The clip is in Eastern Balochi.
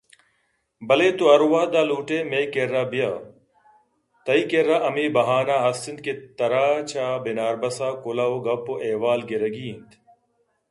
بلئے تو ہر وہدءَ لوٹئے مئے کِرّا بیا تئی کِرّا ہمے بہانہ است اِنت کہ ترا چہ بناربس ءَ کلوہ ءُگپ ءُ احوال گِرگی اِنت ء